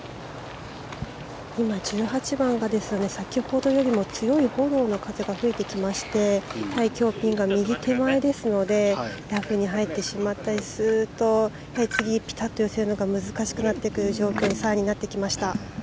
今、１８番が先ほどよりも強いフォローの風が吹いてきまして今日、ピンが右手前ですのでラフに入ってしまったりすると次にピタッと寄せるのが難しくなってくる状況に更になってきました。